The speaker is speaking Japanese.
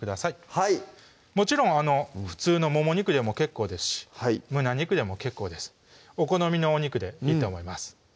はいもちろん普通のもも肉でも結構ですし胸肉でも結構ですお好みのお肉でいいと思います